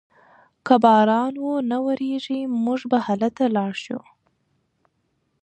که باران و نه وریږي موږ به هلته لاړ شو.